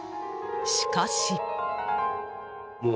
しかし。